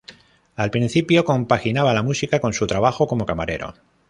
Al principio compaginaba la música con su trabajo como camarero.